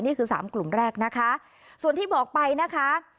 นี่คือสามกลุ่มแรกนะคะส่วนที่บอกไปนะคะ